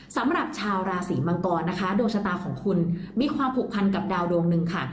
สำหรับชาวราศีมังกรนะคะดวงชะตาของคุณมีความผูกพันกับดาวดวงหนึ่งค่ะ